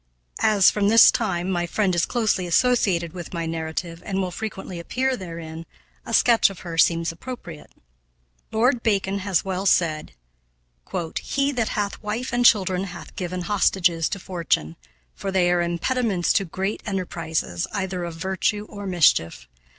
As, from this time, my friend is closely connected with my narrative and will frequently appear therein, a sketch of her seems appropriate. Lord Bacon has well said: "He that hath wife and children hath given hostages to fortune; for they are impediments to great enterprises either of virtue or mischief.